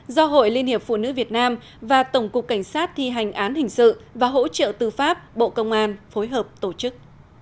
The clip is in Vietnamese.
do hội liên hiệp phụ nữ việt nam và tổng cục cảnh sát thi hành án hình sự và hỗ trợ tư pháp bộ công an phối hợp tổ chức